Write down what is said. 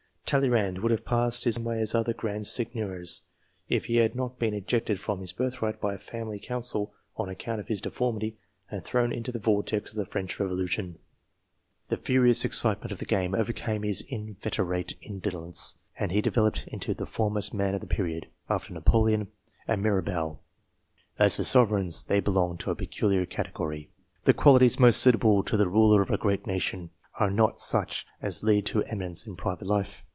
Talleyrand would have passed his life in the same way as other grand seigneurs, if he had not been ejected from his birthright, by a family council, on account of his deformity, and thrown into the vortex of the French Revolution. The furious excitement of the game overcame his inveterate indolence, and he developed into the foremost man of the period, after Napoleon and Mirabeau. As for sovereigns, they belong to a peculiar category. The qualities most suitable to the ruler of a great nation, are not such as lead to e'minence in private life.